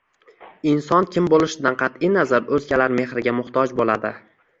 Inson kim bo‘lishidan qat’i nazar o‘zgalar mehriga muhtoj bo'ladi.